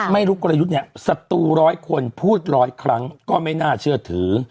ไม่รู้กลยุทธ์เนี่ยศัตรูร้อยคนพูดร้อยครั้งก็ไม่น่าเชื่อถือ